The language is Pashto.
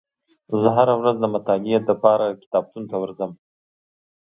زه هره ورځ د مطالعې لپاره کتابتون ته ورځم.